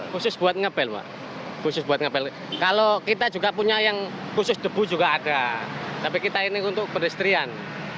khusus buat ngepel pak khusus buat ngepel kalau kita juga punya yang khusus debu juga ada tapi kita ini untuk pedestrian